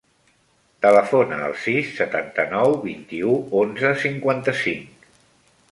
Telefona al sis, setanta-nou, vint-i-u, onze, cinquanta-cinc.